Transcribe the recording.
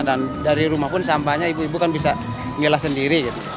dan dari rumah pun sampahnya ibu ibu kan bisa milah sendiri